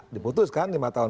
diputuskan lima tahun